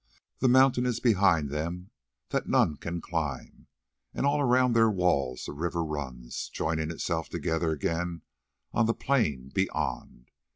The mountain is behind them that none can climb, and all around their walls the river runs, joining itself together again on the plain beyond.